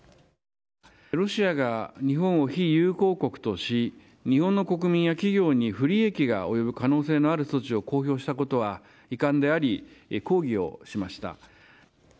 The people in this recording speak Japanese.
ロシアが日本を非友好国とし、日本の国民や企業に不利益が及ぶ可能性のある措置を公表したことは、遺憾であり、抗議をしました。